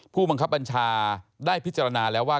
ผู้บังคับบัญชาได้พิจารณาแล้วว่า